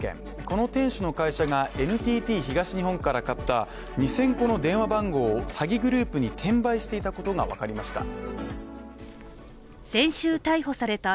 この店主の会社がＮＴＴ東日本から買った２０００個の電話番号を詐欺グループに転売していたことが分かりました。